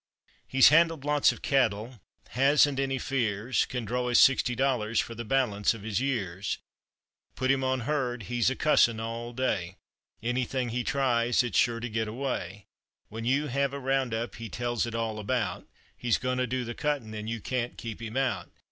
He's handled lots of cattle, hasn't any fears, Can draw his sixty dollars for the balance of his years. Put him on herd, he's a cussin' all day; Anything he tries, it's sure to get away. When you have a round up, he tells it all about He's goin' to do the cuttin' an' you can't keep him out.